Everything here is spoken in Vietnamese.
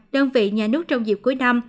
đơn vị nhà nước trong dịp cuối năm